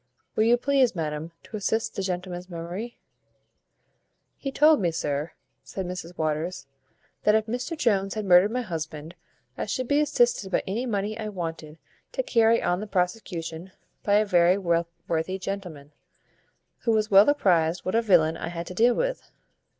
"Will you please, madam, to assist the gentleman's memory?" "He told me, sir," said Mrs Waters, "that if Mr Jones had murdered my husband, I should be assisted by any money I wanted to carry on the prosecution, by a very worthy gentleman, who was well apprized what a villain I had to deal with.